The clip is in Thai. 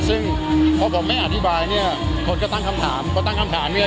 ซึ่งพอผมไม่อธิบายเนี่ยคนก็ตั้งคำถามพอตั้งคำถามเนี่ย